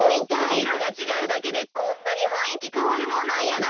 いろがちがうだけでこんなにふんいきかわるもんなんやな。